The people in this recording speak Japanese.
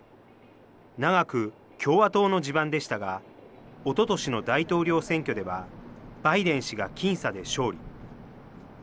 長く、共和党の地盤でしたが、おととしの大統領選挙では、バイデン氏が僅差で勝利。